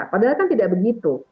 padahal kan tidak begitu